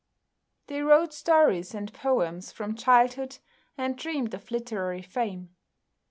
They wrote stories and poems from childhood, and dreamed of literary fame.